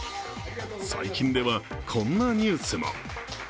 最近ではこんなニュースも。